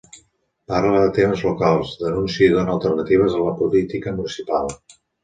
Parla de temes locals, denúncia i dóna alternatives a la política municipal.